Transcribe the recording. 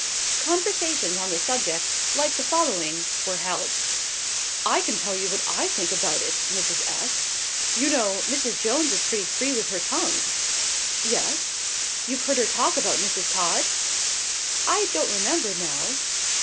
Conversations on the subject, like the following, were held: "I can tell you what I think about it, Mrs. S . You know, Mrs. Jones is pretty free with her tongue?" "Yes." "You've heard her talk about Mrs. Todd?" "I don't remember, now."